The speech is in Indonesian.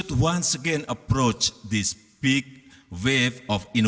dan kita harus memberikan